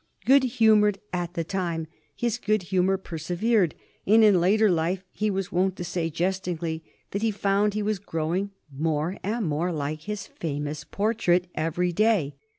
'" Good humored at the time, his good humor persevered, and in later life he was wont to say jestingly that he found he was growing more and more like his famous portrait every day.